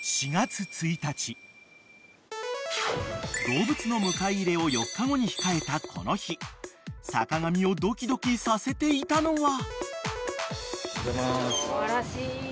［動物の迎え入れを４日後に控えたこの日坂上をドキドキさせていたのは］